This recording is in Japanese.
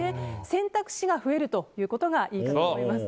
選択肢が増えるということがいいかと思います。